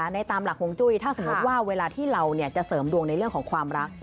ในตามหลักฮวงจุ้ยถ้าสมมุติว่าเวลาที่เราจะเสริมดวงในเรื่องของความรัก